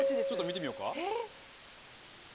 ちょっと見てみようか。